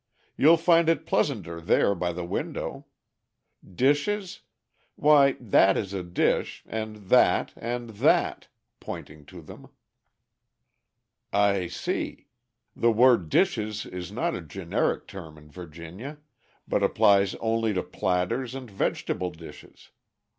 You'll find it pleasanter there by the window. 'Dishes?' Why, that is a dish, and that and that," pointing to them. "I see. The word 'dishes' is not a generic term in Virginia, but applies only to platters and vegetable dishes.